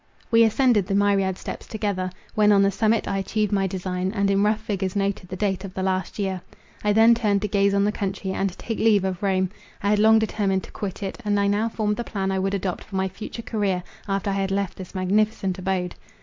We ascended the myriad steps together, when on the summit I achieved my design, and in rough figures noted the date of the last year. I then turned to gaze on the country, and to take leave of Rome. I had long determined to quit it, and I now formed the plan I would adopt for my future career, after I had left this magnificent abode.